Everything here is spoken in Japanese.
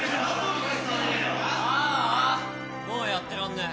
ああもうやってらんねえ。